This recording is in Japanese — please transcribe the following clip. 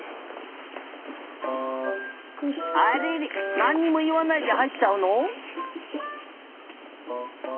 あれれなんにもいわないではいっちゃうの？